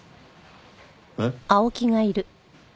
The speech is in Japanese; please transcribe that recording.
えっ？